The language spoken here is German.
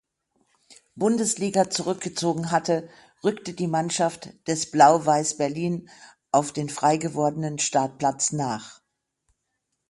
Bundesliga zurückgezogen hatte, rückte die Mannschaft des Blau-Weiss Berlin auf den freigewordenen Startplatz nach.